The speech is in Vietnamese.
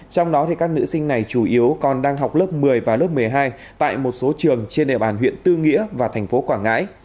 trong đó các nữ sinh này chủ yếu còn đang học lớp một mươi và lớp một mươi hai tại một số trường trên địa bàn huyện tư nghĩa và thành phố quảng ngãi